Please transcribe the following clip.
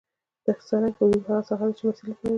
د سرک حدود هغه ساحه ده چې د مسیر لپاره وي